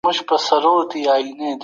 حکومت بهرنی پور نه اخلي.